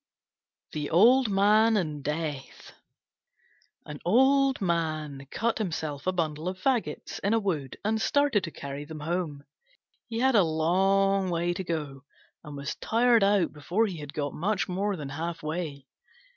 THE OLD MAN AND DEATH An Old Man cut himself a bundle of faggots in a wood and started to carry them home. He had a long way to go, and was tired out before he had got much more than half way.